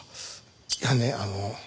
いやねあの。